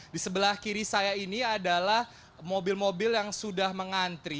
di sebelah kiri saya ini adalah mobil mobil yang sudah mengantri